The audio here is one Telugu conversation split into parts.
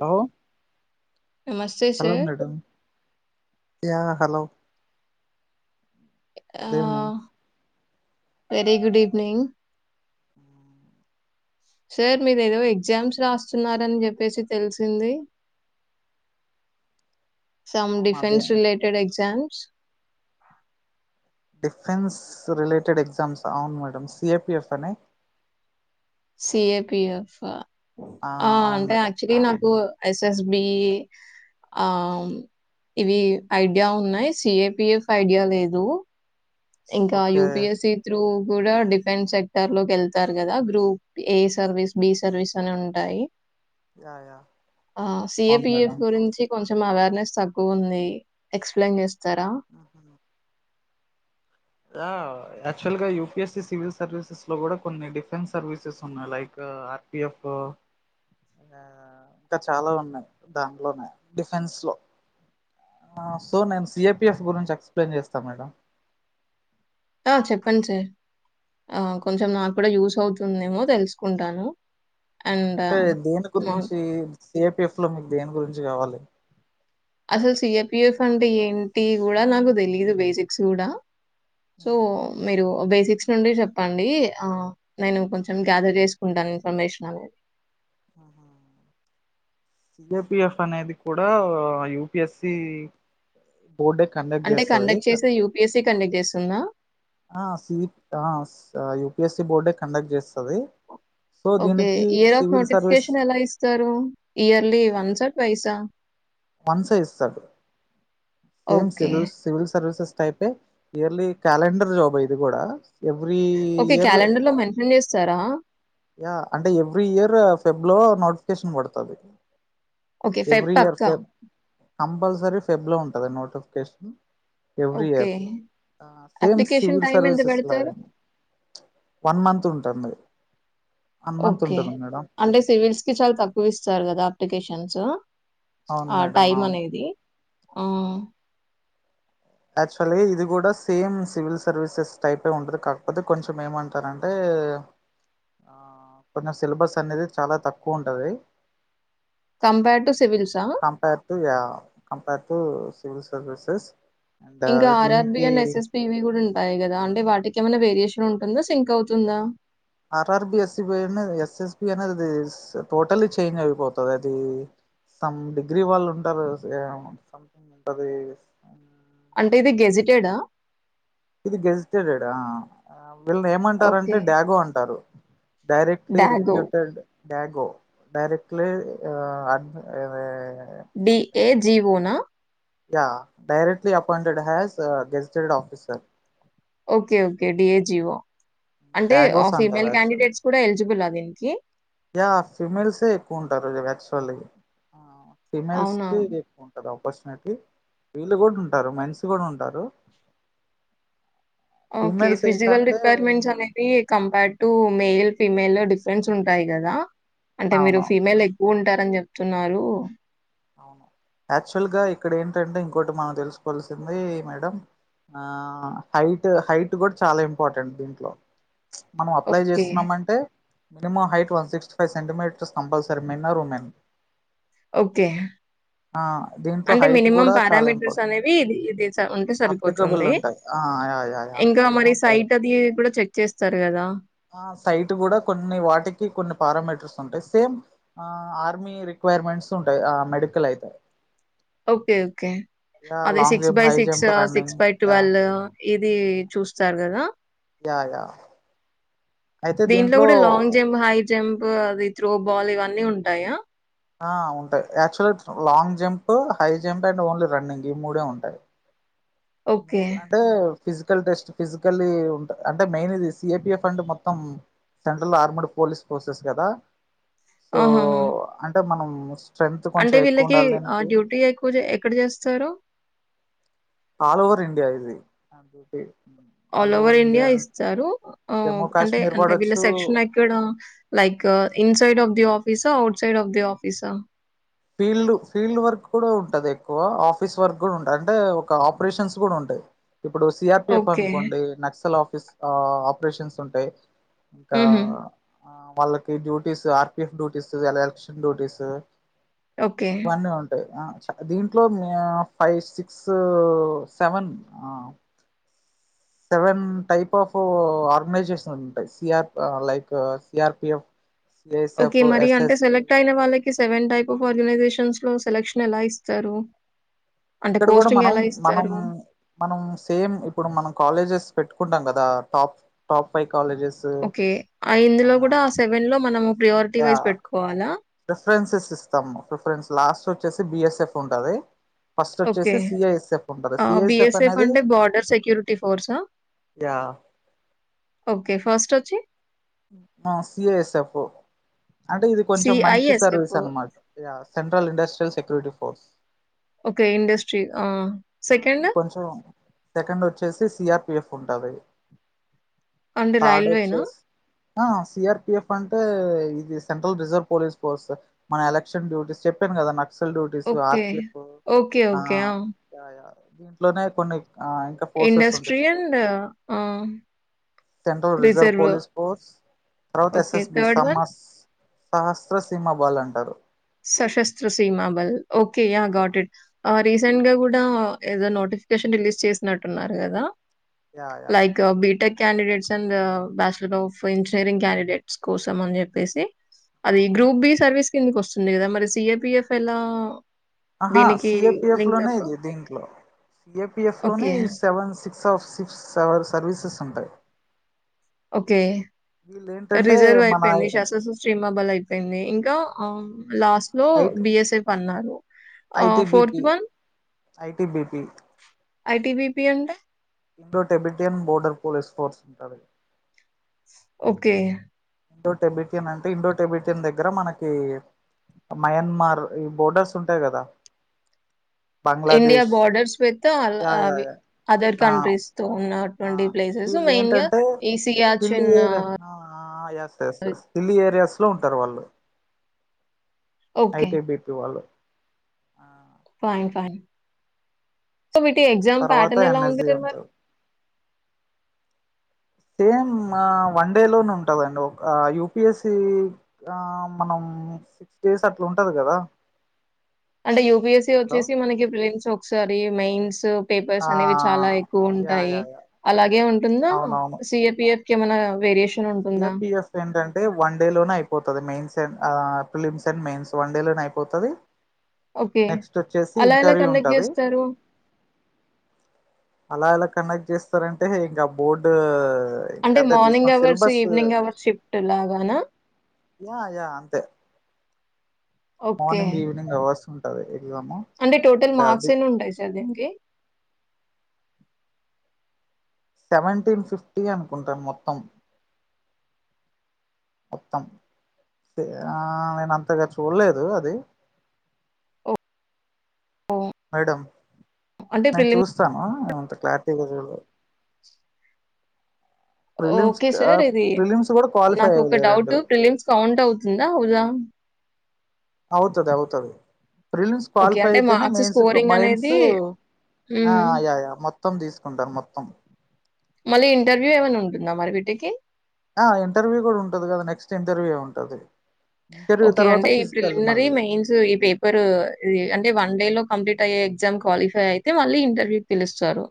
హలో నమస్తే hello sir madam yeah hello ఆ good evening very good evening ఆ సార్ మీరు ఏదో ఎగ్జామ్స్ రాస్తున్నారని చెప్పేసి తెలిసింది సమ్ అవును అదే defence related exam defence related exams అవును madam C A P F అని సి ఏ పి ఎఫ్ ఆ ఆ అవును అంటే మేడం యాక్చువలీ నాకు ఎస్ ఎస్ బి ఆ ఇవి ఐడియా ఉన్నాయి C A P F idea లేదు ఇంకా U okay P S C through కూడా డిఫెన్స్ సెక్టర్ లో కెళ్తారు కదా group A service B service అని ఉంటాయి యా యా ఆ సి ఏ అవును పి మేడం యఫ్ గురించి కొంచ చం అవేర్నెస్ తక్కువుంది ఎక్స్ ప్లెయిన్ చేస్ తరా మ్మ్. యాక్చువల్ గా U P S C civil services లో కూడా కొన్ని డిఫెన్స్ సర్వీసెస్ ఉన్నాయి లైక్ ఆర్ పి యఫ్ ఇంకా చాలా ఉన్నాయి దానిలోనే డిఫెన్స్ లో సో నేను సి ఏ పి యఫ్ గురించి ఎక్ప్లెన్ చేస్తా మేడం ఆ చెప్పండి సార్, ఆ కొంచెం మ్మ్. నాకు కూడా యూస్ అవుతుందేమో తెలుసుకుంటాను. అండ్ అంటే దేని మా గురించి సిఏపిఎఫ్ లో మీకు దేని గురించి కావాలి అసలు సిఐర్పిఎఫ్ అంటే ఏంటి కూడా నాకు తెలీదు బేసిక్స్ కూడా సో మీరు బేసి సిక్స్ నుండి చెప్పండి, అ నేను కొంచెం గ్యాదర్ చేసుకుంటాను ఇన్ఫర్మేషన్ అనేది సిఏపిఎఫ్ అనేది కూడా యుపిఎస్సి అంటే కండక్ట్ చేసి యూపిఎస్సి కండక్ట్ చేస్తుందా ఆ సి యయుపిఎస్సి బోర్డే కండక్ట్ చేస్తది సో ఓకే దీనికి year of civil service notification ఎలా ఇస్తారు ఇయర్లీ ఒన్స్ పైసా మంత్స్ ఏ ఇస్తడు సేమ్ ఓకే. సిల్ సివిల్ సర్వీసెస్ టైపే ఇయర్లీ క్యాలెండర్ జాబ్ ఏ ఇది కూడా ఎవ్రీ ఓకే ఇయర్ క్యాలెండర్ లో మెన్షన్ చేస్తారా యా అంటే ఎవ్రీ ఇయర్ ఫెబ్లో నోటిఫికేషన్ పడుతుది ఓకే ఫై పక్క కంపల్సరీ ఫెబ్ లో ఉంటందా నోటిఫికేషన్ ఎవ్రీ ఓకే. ఇయర్ ఆ సేమ్ అప్లికేషన్ సివిల్ టైమ్ ఎంత సర్వీసెస్ బెడతారు? లాగానే వన్ మంత్ ఉంటుంది వన్ మంత్ ఓకే ఉంటుంది మేడం అంటే సివిల్స్ కి చాలా తక్కువ ఇస్తారు కదా అప్లికేషన్స్ అవును ఆ మేడం టైమ్ అవును అనేది ఆ యాక్చువల్గా ఇది కూడా సేమ్ సివిల్ సర్వీసెస్ టైపే ఉంటది కాకపోతే, కొంచెం ఏమంటారంటే ఆ కొంచెం సిలబస్ అనేది చాలా తక్కువ ఉంటది. కంపేర్ టు సివిల్సా ఆ compare to yeah compare civil services ఇంకా ఆర్ఆర్బి అండ్ ఎస్ఎస్ పి వి కూడు న్ టాయ్ కదా అంటే వాటికి ఏమైనా, వేరియేషన్ ఉంటుందా సింక్ అవుతుందా. ఆర్ఆర్బి, ఎస్సబి అనేది ఎస్ఎస్బి అనేది టోటల్లి చేంజ్ అయిపోతది, అది సమ్ డిగ్రీ వాళ్ళు ఉంటారు సథింగ్ ఉంటది. అంటే ఇది గెజిటెడా ఇది గేజ్ టెడ్ ఆ వీళ్ళని ఓకే. ఏమంటారంటే డాగో అంటారు డైరెక్ట్లీ డాగో. రిక్ర్యూటెడ్ డ్యాగో డైరెక్ట్లీ అ అడ్ ఇది డి ఏ జీవోనా yeah directly appointed has gazetted officer okay okay DAGO అంటే ఆ డాగోస్ అంటారు ఫీమేల్ యాక్చువల్ క్యాండిడేట్స్ కూడ ఎలిజిబుల్ ఆ దీనికి యా ఫిమేల్స్ ఎ ఎక్కువ ఉంటారు కదా యాక్చులి ఫీమెయిల్స్ అవునా? కి ఎక్కువ ఉంటంది అఫ్ ఫస్ట్ నైట్ కి. వీళ్ళు కూడ ఉంటారు మెన్స్ కూడ ఉంటారు. ఓకె ఫీమేల్స్ ఫిజికల్ ఏంటంటే రిక్వర్మెంట్స్ అనేవి కంపేర్ టు మేల్ ఫీమేల్ లో డిఫరెన్స్ ఉంటాయి కదా అంటే మీరు అవును ఫీమెల్ ఎక్ ఉంటారని చెప్తున్నారు. అవును యాక్చువల్గా ఇక్కడ ఏంటంటే ఇంకోటి మనం తెలుసుకోవాల్సింది మేడం ఆ హైట్ హైట్ కూడ చాలా ఇంపార్టెంట్ దీంట్లో మనం అప్లై ఓకే. చేస్తున్నాంమంటే minimum height one sixty five సె సెంటీమీటర్ స్తంభల్ సరి men or women okay ఆ దీంట్లో అంటే హైట్ మినిమం కూడా చాలా ప్యారామీటర్స్ ఇంపార్టెంట్ అనేవి ఇది ఇది ఉంటే అప్లికబుల్ సరిపోతుంది ఉంటాయి ఆ యా యా యా ఇంకా మరి మినిమం సైట్ అది కుడా చెక్ చేస్తారు కదా ఆ సైట్ కూడా కొన్ని వాటికి కొన్ని పారామీటర్స్ ఉంటాయి. సేమ్ ఆ ఆర్మీ రిక్వైర్మెంట్స్ ఉంటాయి. ఆ మెడికల్ అయితే ఓకె ఓకె యా అదే long six jump by high six jump running six by yeah twelve ఇది చూస్తారు కదా యా యా అయితే దీంట్లో గూడా లాంగ్ జంప్, హై జంప్ అవి త్రో బాల్ ఇవన్నీ ఉంటాయా? ఆ ఉంటాయి యాక్చువల్గా long jump high jump and only running ఈ మూడే ఉంటాయి. ఈ ఓకే. మూడు అంటే ఫిజికల్ టెస్ట్ ఫిజికల్లి ఉంట అంటే మెయిన్ ఇది సిఏపిఎఫ్ ఫండ్ మొత్తం సెంట్రల్ ఆర్మండ్ పోలీస్ ఫోర్సెస్ కదా సో ఆహాహా! అంటె మనం మస్ అంటే వీళ్ళకి ఆ డ్యూటీ ఎక్కువ ఎక్కడ చేస్తారు ఆల్ ఓవర్ ఇండియా ఇది డ్యూటీ ఆల్ ఓవర్ ఇండియా ఇస్తారు జమ్మూ అంటే కాశ్మీర్ అంటే వీళ్ళ పడొచ్చు సెక్షన్ ఎక్కడ like inside of the office ఆ outside of the office field field work కూడ ఉంటంది, ఎక్కువ ఆఫీస్ వర్క్ కూడ ఉంటది, అంటే ఒక ఆపరేషన్స్ కూడ ఉంటాయి. ఇప్పుడు సిఆర్పిఎఫ్ ఓకే. అనుకోండి నక్సల్ ఆఫీస్ ఆపరేషన్స్ ఉంటాయి ఇంకా హుహు. ఆ వాళ్ళకి డ్యూటీస్ ఆర్పిఎఫ్ డ్యూటీస్ ఎల ఎలక్షన్ డ్యూటీస్ ఓకే. బానే ఉంటయ్. ఆ స దీంట్లో మియ ఫై సిక్సూ సెవెన్ ఆ. సెవెన్ టైప్ ఆఫ్ ఆర్గనైజేషన్స్ ఉంటై. సిఆర్ప్ లైక్ సిఆర్పిఎఫ్. ఓకే సిఐఎస్ఎఫ్ మరి అంటే ఎస్ఎస్పి సెలెక్ట్ అయిన వాళ్ళక్. కి సెవెన్ టైప్ ఆఫ్ ఆర్గనైజేషన్స్ లో సెలక్షన్ ఎలా ఇస్తారు. అంటే ఇక్కడ కూడా పోస్టింగ్ మనం ఎలా మనం ఇస్తారు? మనం సేమ్ ఇప్పుడు మనం కాలేజెస్. పెట్టుకుంటాం గదా టాప్ టాప్ ఫై. కాలేజెస్సు. ఆ ఇందులో గూడా ఆ సెవెన్ లో మనము. ప్రియొరిటి యా వైజ్ పెట్ కోవాలా. ప్రిఫరెన్సెస్ ఇస్తాము. ప్రిఫరెన్స్ లాస్ట్ వచ్చేసి బిఎస్ఎఫ్ ఉంటది. ఫస్ట్ ఓకే వచ్చేసి సిఐఎస్ఎఫ్ ఉంటది ఆ సిఐఎస్ఎఫ్ బిఎస్ఎఫ్ అనేది అంటే బార్డర్ సెక్యూరిటీ ఫోర్సా, యా ఓకే ఫస్ట్ వచ్చి. ఆ సిఎఎస్ ఎఫ్. అంటే ఇది కొంచెం మంచి సర్వీస్ సిఐఎస్ఎఫ్. అనమాట్, yeah central industrial security force. Okay industry ఆ. ఆ సెకండ్ ఇది కొంచం సెకండ్ వచ్చేసి సిఆర్పిఎఫ్ ఉంటది. అండి థర్డ్ రైల్వేనా. వచ్చేసి ఆ సిఆర్పిఎఫ్ అంటే ఇది సెంట్రల్ రిజర్వ్ పోలీస్ ఫోర్స్. మన ఎలక్షన్ డ్యూటీస్ చెప్పాను గదా నాక్. ఓకే ఓకే ఓకే ఆ అయ్యా, దీంట్లోనే కొన్ని. ఆ ఇంకా ఫోర్సెస్ ఉంటద్ ఇండస్ట్రీ స అండ్ ఆ! సెంట్రల్ రిజర్వ్ పోలీస్ ఫోర్స్ తర్వాత ఓకే. ఎస్ఎస్బి థర్డ్ వన్ సమ్మర్స్ సహస్రసీమ బల్ అంటారు. సశస్త్ర సీమా బల్. ఓకే యా ఆ, గొట్ ఇట్. ఆ రీసెంట్ గా గుడా ఏదో నోటిఫికేషన్ రిలీజ్ చేసినట్టున్నారు గదా. Yeah yeah like BTech. Candidates and bachelor of engineering candidates కోసం అని చెప్పేసి. అది అవునవును గ్రూప్ బి సర్వీస్. కిందికొస్. లేదా మరి సిఎపిఎఫెల్లో. ఆహా సిఏపిఎఫ్ లోనే ఇది, దీంట్లో సిఏపిఎఫ్ లోనే ఓకే. Seven, six. సాఫ్ సిక్స్ సెవర్ సర్వీసెస్ ఉంటయ్. ఓకే రిజర్వ్ మన అయిపోయింది శాస్త్ర శ్రిమాబల్ అయిపోయింది ఇంకా ఆ లాస్ట్ లో ఐ బిఎస్ఎప్ పన్నారు ఐటిబిపి ఐటిబిపి ఐటిబిపి ఉంటే Indo Tibetan border police force ఉంటారు ఓకే ఇండో టెబిటియన్ అంటే ఇండో టెబిటియన్ దగ్గర మనకి మయన్మార్ ఈ బోర్డర్స్ ఉంటాయి కదా India Bangladesh borders with yeah yeah అవి యా అదర్ ఆ కంట్రీస్ తో ఉను ఆ వీళ్ళు ఏంటంటే హిల్లీ సియాచిన్ ఏర్ yes yes yes hilly areas లో ఉంటారు వాళ్ళు ఓకే. ఐటీ బిటీ వాళ్ళు ఆ ఫాయింట్ ఫాన్ [unintelligible] సో మీకు ఎగ్జామ్ తర్వాత ప్యాటన్ ఎలా ఎన్ఎస్జి ఉందిరా ఇంగా ఉంటారు సేమ్ వన్ డే లోనే ఉంటందండి ఒక యుూపిఎస్సి ఆ మనం సిక్స్ డేస్ అట్లా ఉంటాది కదా అంటే యూపిఎస్సి హలో వచ్చిసి మనకి ప్రిన్ సోప్ ఈ సారీ మెయిన్స్ పేపర్స్ ఆ అనేవి చాలా ఎక్కువ యా ఉంటాయి యా యా అలాగే ఉంటుందా అవునవును సిఏపిఎఫ్ ఇంకా ఎమన్నా వెరెస్ సిఏపిఎఫ్ ఏంటంటే వన్ డే లోనే అయిపోతాది mains films and mains one day లోనే అయిపోతాది ఓకే అలా ఎలా కండక్ట్ ఉంటది చేస్తారు అలా ఎలా కండక్ట్ చేస్తారంటే ఇంకా బోర్డు అంత తీసుకొన్స్ ఈవనింగ్ అవర్ షిఫ్ట్ లాగానా యా యా అంతే ఓకే. మార్నింగ్ ఈవినింగ్ అవర్స్ ఉంటది [unintelligible] అంటే టోటల్ అండ్ మార్క్స్ అది ఎన్ని ఉంటాయి సార్ దీనికి సెవెంటీన్ ఫిఫ్టీ అనుకుంటా మొత్తం మొత్తం ఆ నేను అంతగా చూడలేదు అది ఓ మేడం అంటే నేను ప్రిలిమ్ చూస్తాను అంత క్లారిటీగా చూడలేదు ప్రిలిమ్స్ ఓకే ఆ సార్ ఇది ప్రిలిమ్స్ కూడా క్వాలిఫై నాకు ఒక అయ్యలే రెండు డౌట్ ప్రిలిమ్స్ కౌంట్ అవుతుందా అవుదా అవుతాది అవుతాది ప్రిలిమ్స్ ఓకే. క్వాలిఫై అంటే అయితేనే మార్క్స్ మైన్స్ స్కోరింగ్ మైన్స్ అనేది ఆ హ్మ్. ఆ యా యా మొత్ త్తం తీసుకుంటారు మొత్తం మళ్ళీ ఇంటర్వ్యూ ఏమైన్నా ఉంటుందా మరి వీటికి ఆ ఇంటర్వ్యూ కూడా ఉంటది కదా నెక్స్ట్ ఇంటర్వ్యూ ఉంటది ఇంటర్వ్యూ ఓకే తర్వాత అంటే ఈ ఫిజికల్ ప్రిలిమినరీ మళ్ళీ మెయిన్స్ ఈ పేపర్ అంటే వన్ డే లో కంప్లీట్ అయ్య ఎగ్జామ్ క్వాలిఫై అయితే మళ్ళీ ఇంటర్వ్యూ పిలుస్తారు.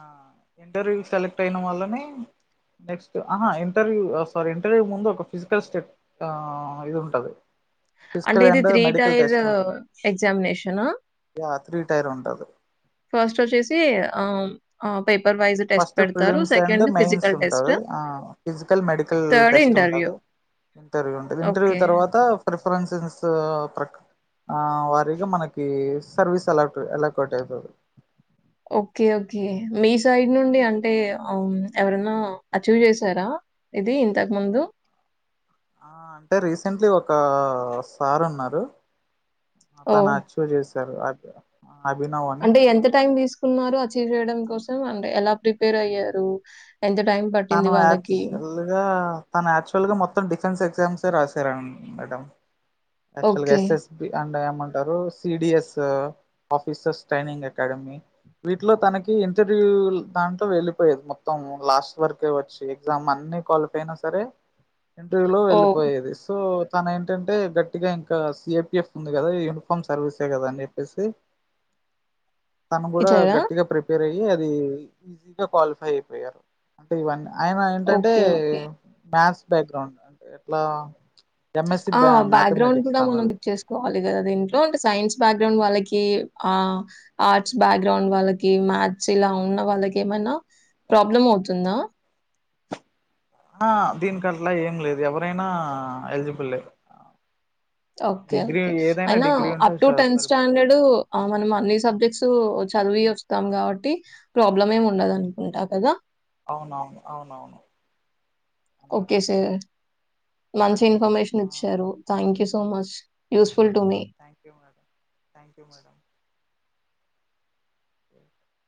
ఆ ఇంటర్వ్యూ సెలెక్ట్ అయిన వల్లనే నెక్స్ట్ ఆహ ఇంటర్వ్యూ సారీ ఇంటర్వ్యూ ముందు ఒక ఫిజికల్ స్టెట్ ఆ ఇది ఉంటది. అంటే ఫిజికల్ ఇది and three medical tier test ఉంటది ఎగ్జామినేషనా యా త్రీ టైర్ ఉంటది ఫస్ట్ వచ్చేసి ఆమ్ ఆ first prelims and mains physical test. ఉంటది ఆ physical medical third test interview. ఉంటంది ఇంటర్వ్యూ ఉంటుంది ఇంటర్వ్యూ ఓకే. తర్వాత ప్రీ ప్ఫరెన్స్ ప్రక్రి వారీగా మనకి సర్వీస్ అలాట్ ఎలకట్ అయిపోతాది ఓకే ఓకే మీ సైడ్ నుండి అంటే ఎవరన్నా అచీవ్ చేసారా ఇది ఇంతకు ముందు ఆ అంటే రీసెంట్లీ ఒక సార్ ఉన్నారు. అతన్ ఓహ్! అచీవ్ చేసి [unintelligible] అంటే ఎంత టైం దీస్ న్నారు అచీవ్ చేయడం కోసం అంటే ఎలా ప్రిపేర్ అయ్యారు ఎంత టైం పట్టింది తను వాళ్ళకి? యాక్చువల్ గా తను యాక్చువల్ గా మొత్తం డిఫెన్స్ ఎగ్జామ్స్ సె రాసారండి మేడం. యాక్చువల్ గా okay. S S B and ఏమంటారు సిడిఎస్ ఆఫీసస్ ట్రైనింగ్ అకాడమీ వీటిలో తనకి ఇంటర్వ్యూ దాట్లో వెళ్ళిపోయేది మొత్తం లాస్ట్ వరకు వచ్చి ఎగ్జామ్ అన్ని క్వాలిఫై అయినా సరే ఇంటర్వ్యూ లో ఓహ్! ఎళ్ళిపోయేది సో తను ఏంటంటే గట్టిగా ఇంకా సిఐపిఎఫ్ ఉంది కదా యూనిఫార్మ్ సర్వీసే కదా అని జెప్పేసి తను కూడా ఇచ్చారా? గట్టిగా ప్రిపేర్ అయ్యి అది ఈజీగా క్వాలిఫై అయిపోయారు అంటే ఇవన్నీ ఆయన ఏంటంటే ఓకే. ఓకే. మ్యాస్ బ్యాగ్రౌండ్ అంటే ఎట్లా ఎంఎస్సి ఆ బ్యాగ్రౌండ్ మ్యాథమెటిక్స్ కూడా మనం తనది ఇచ్చేస్కోవాలి కదా దీంట్లో అంటే సైన్స్ బ్యాగ్రౌండ్ వాళ్ళకి ఆర్ట్స్ బ్యాగ్రౌండ్ వాళ్ళకి మ్యాథ్స్ ఇలా ఉన్న వాళ్ళకి ఏమైనా ప్రాబ్లం అవుతుందా ఆ దీనికి అట్లా ఏం లేదు ఎవరైనా ఎలిజిబుల్ లే ఓకే ఓకే అయినా అప్ టు స టెన్త్ సరిపోతుంది స్టాండర్డ్ మనం అన్ని సబ్జెక్ట్స్ చదివి వస్తాం కాబట్టి ప్రాబ్లం ఏమి ఉండదు అనుకుంటా కదా అవునవును అవునవును అంతే ఓకే సార్ మంచి మేడం ఇన్ఫర్మేషన్ ఇచ్చారు థ్యాంక్ యూ సో మచ్ యూస్ థ్యాంక్యూ మ్యాడ్ థ్యాంక్యూ మ్యాడం అ